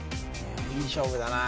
いい勝負だな